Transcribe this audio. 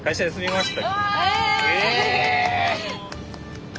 え。